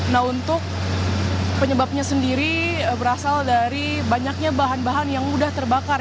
nah untuk penyebabnya sendiri berasal dari banyaknya bahan bahan yang mudah terbakar